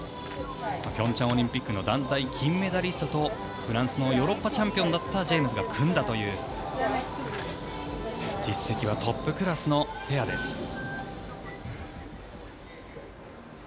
平昌オリンピックの団体金メダリストとフランスのヨーロッパチャンピオンだったジェイムスが組んだという実績はトップクラスのペアです。